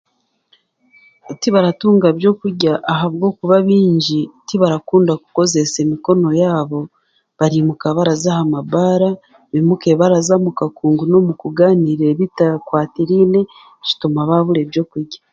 Tibaratunga byokurya ahabwokuba baingi tibarakunda kukozeesa emikono yaabo, baraimuka baraza ha mabaara, baimuke baraza omu kakungu omu kugaaniira ebitakwatiraine, kituma baabura ebyokurya.